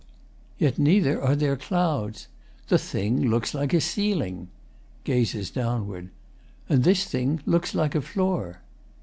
Yet neither are there clouds! The thing looks like a ceiling! [Gazes downward.] And this thing Looks like a floor.